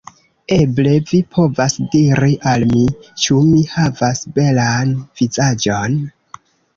Eble vi povas diri al mi: ĉu mi havas belan vizaĝon?